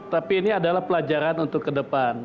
tapi ini adalah pelajaran untuk ke depan